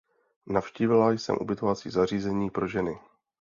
Navštívila jsem ubytovací zařízení pro ženy.